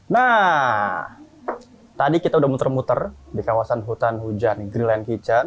nah tadi kita sudah muter muter di kawasan hutan hujan grill and kitchen